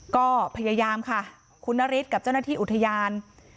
ก็พยายามค่ะคุณนฤทธิ์กับเจ้าหน้าที่อุทยาน